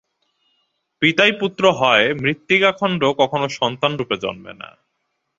পিতাই পুত্র হয়, মৃত্তিকাখণ্ড কখনও সন্তানরূপে জন্মে না।